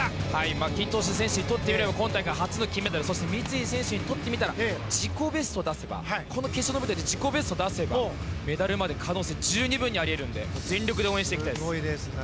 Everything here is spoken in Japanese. マッキントッシュ選手にとってみれば今大会初の金メダル三井選手にとってみたらこの決勝の舞台で自己ベストを出せばメダルまで可能性十二分にあり得ますので全力で応援していきたいです。